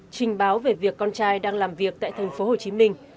trình báo về việc con trai đang làm việc tại thành phố hồ chí minh